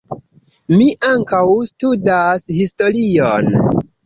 Mi ankaŭ studas historion.